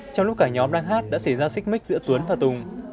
trong lúc cả nhóm đang hát đã xảy ra xích mích giữa tuấn và tùng